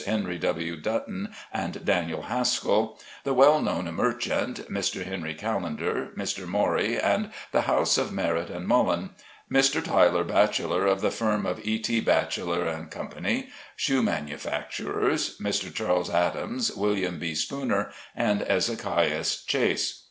Henry W. Dutton and Daniel Haskill, the well known merchant, Mr. Henry Callender, Mr. Morey, and the house of Merrett & Mullen, Mr. Tiler Batch eller, of the firm of E. T Batcheller & Co., shoe manufacturers, Mr. Chas. Adams, William B. Spooner, and Ezekias Chase.